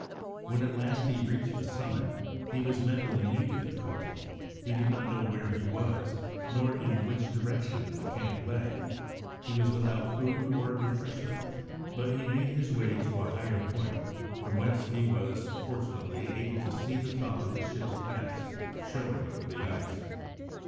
When, at last, he reached the summit, he was met with a new difficulty. He did not know where he was, nor in which direction the camp lay. He was without food, or refreshment, but he made his way to a higher point, from whence he was, fortunately, able to see the top of the ship's masts showing over the ice.